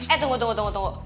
eh tunggu tunggu tunggu